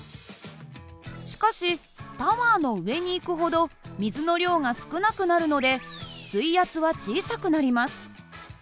しかしタワーの上に行くほど水の量が少なくなるので水圧は小さくなります。